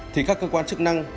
thì các cơ quan chức năng